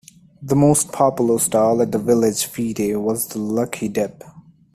The most popular stall at the village fete was the lucky dip